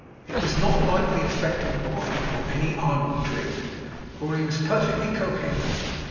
It was not like the effect of wine, or any ardent drink, for he was perfectly coherent.